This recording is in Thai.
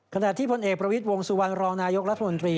ขณะที่พลเอกประวิทย์วงสุวรรณรองนายกรัฐมนตรี